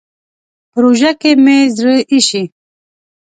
په روژه کې مې زړه اېشي.